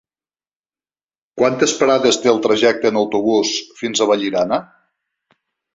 Quantes parades té el trajecte en autobús fins a Vallirana?